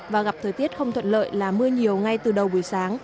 và gặp thời tiết không thuận lợi là mưa nhiều ngay từ đầu buổi sáng